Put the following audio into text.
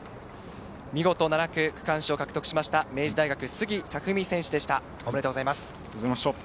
見事７区区間賞を獲得しました、明治大学・杉彩文海選手でした。